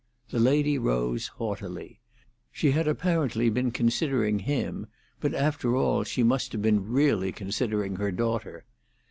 The lady rose haughtily. She had apparently been considering him, but, after all, she must have been really considering her daughter.